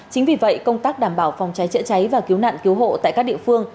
chính vì vậy công tác đảm bảo phòng cháy chữa cháy và cứu nạn cứu hộ tại các địa phương